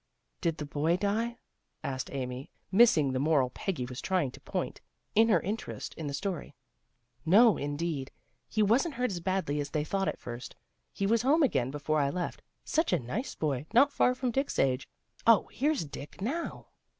" Did the boy die? " asked Amy, missing the moral Peggy was trying to point, in her inter est in the story. " No, indeed. He wasn't hurt as badly as they thought at first. He was home again before I left, such a nice boy, not far from Dick's age. here's Dick now."